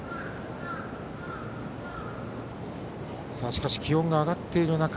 しかし、気温が上がっている中